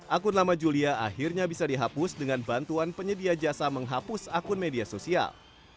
akun lama julia akhirnya bisa dihapus dengan bantuan penyedia jasa menghapus akun media sosial